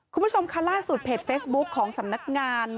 คุณผู้ชมค่ะล่าสุดเพจเฟซบุ๊คของสำนักงาน